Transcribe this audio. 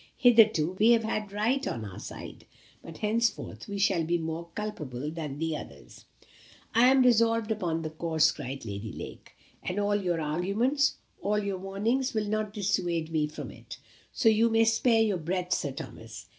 Hitherto we have had right on our side, but henceforth we shall be more culpable than the others." "I am resolved upon the course," cried Lady Lake; "and all your arguments all your warnings will not dissuade me from it, so you may spare your breath, Sir Thomas.